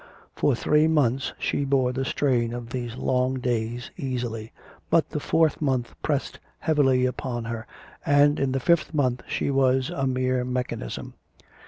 For three months she bore the strain of these long days easily; but the fourth month pressed heavily upon her, and in the fifth month she was a mere mechanism.